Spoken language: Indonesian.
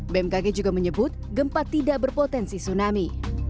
bmkg juga menyebut gempa tidak berpotensi tsunami